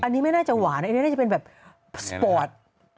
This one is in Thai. อันนี้ไม่น่าจะหวานอันนี้น่าจะเป็นแบบสปอร์ต